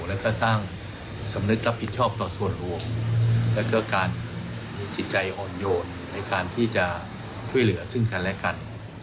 แล้วก็สร้างสำนึกรับผิดชอบต่อส่วนรวมแล้วก็การจิตใจอ่อนโยนในการที่จะช่วยเหลือซึ่งกันและกัน